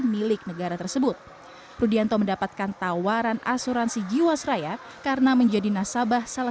milik negara tersebut rudianto mendapatkan tawaran asuransi jiwasraya karena menjadi nasabah salah